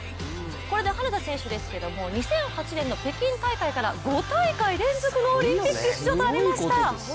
これで羽根田選手ですけども２００８年の北京大会から５大会連続のオリンピック出場となりました。